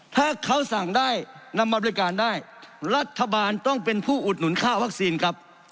ถ้าเขาสั่งได้นำมาบริการได้รัฐบาลต้องเป็นผู้อุดหนุนค่าวัคซีนครับ